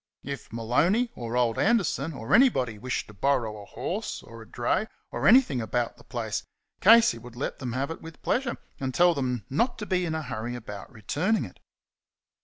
If Maloney, or old Anderson, or anybody, wished to borrow a horse, or a dray, or anything about the place, Casey would let them have it with pleasure, and tell them not to be in a hurry about returning it.